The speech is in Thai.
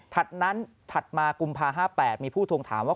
ถัดมาลุงค๕๘มีผู้ถูกถามว่า